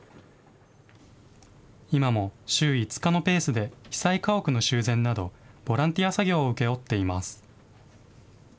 今も週５日のペースで被災家屋の修繕など、ボランティア作業を請け負っています。